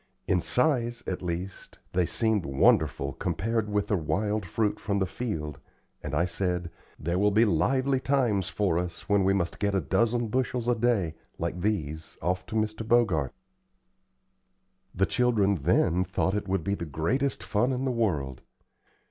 In size, at least, they seemed wonderful compared with the wild fruit from the field, and I said: "There will be lively times for us when we must get a dozen bushels a day, like these, off to Mr. Bogart." The children, then, thought it would be the greatest fun in the world.